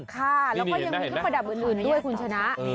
ค่ะแล้วก็ยังมีเครื่องประดับอื่นด้วยคุณชนะ